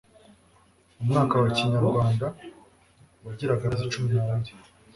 Umwaka wa Kinyarwanda, wagiraga amezi cumi n'abiri